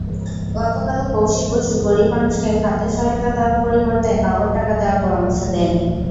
গতকালও কৌশিক বসু গরিব মানুষকে খাদ্যসহায়তা দেওয়ার পরিবর্তে নগদ টাকা দেওয়ার পরামর্শ দেন।